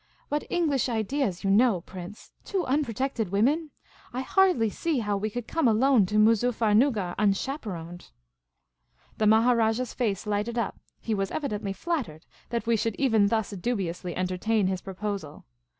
But — English ideas, you know. Prince ! Two unprotected women ! I hardly see how we could come alone to Moozuffernuggar, iinchaperoned." The Maharajah's face lighted up ; he was evidently flat tered that we should even thus dubiously entertain his pro posal.